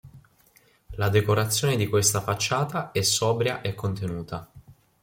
La decorazione di questa facciata è sobria e contenuta.